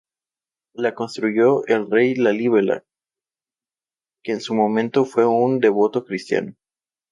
La construyó el rey Lalibela, que en su momento fue un devoto cristiano.